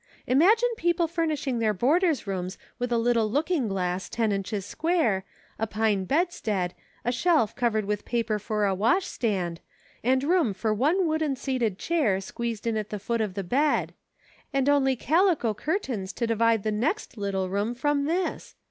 Imagine people furnishing their boarders' rooms with a little looking glass ten inches square, a pine bedstead, a shelf covered with paper for a washstand, and room for one wooden seated chair squeezed in at the foot of the 250 EVOLUTION. bed. And only calico curtains to divide the next little room from this